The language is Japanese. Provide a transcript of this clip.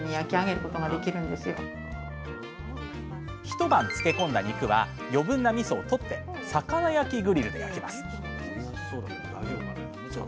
一晩漬け込んだ肉は余分なみそを取って魚焼きグリルで焼きます